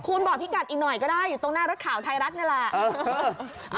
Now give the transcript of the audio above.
คุณบอกพี่กัดอีกหน่อยก็ได้อยู่ตรงหน้ารถข่าวไทยรัฐนี่แหละ